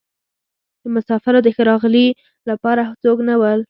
د مسافرو د ښه راغلي لپاره څوک نه راوتل.